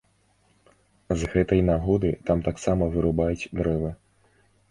З гэтай нагоды там таксама вырубаюць дрэвы.